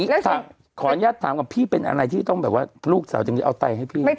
เอาอย่างนี้ขออนุญาตถามกับพี่เป็นอะไรที่ลูกสาวจริงเอาไตให้พี่